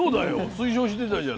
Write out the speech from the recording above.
推奨してたじゃない。